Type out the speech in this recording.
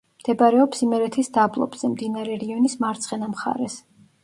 მდებარეობს იმერეთის დაბლობზე, მდინარე რიონის მარცხენა მხარეს.